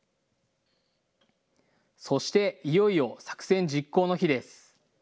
そしていよいよ作戦実行の日です。